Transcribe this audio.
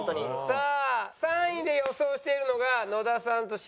さあ３位で予想しているのが野田さんとしんいちですね。